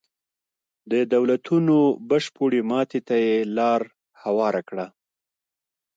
د دولتونو بشپړې ماتې ته یې لار هواره کړه.